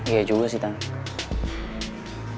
iya juga sih tante